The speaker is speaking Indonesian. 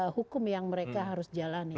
nah ini juga adalah hal yang harus diperhatikan